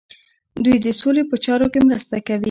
دوی د سولې په چارو کې مرسته کوي.